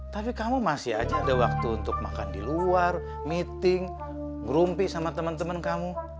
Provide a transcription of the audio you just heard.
tapi kamu masih aja ada waktu untuk makan di luar meeting grumpi sama teman teman kamu